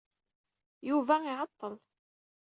Yuba iɛeḍḍel.